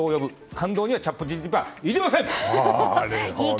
感動にはチャットＧＰＴはいりません！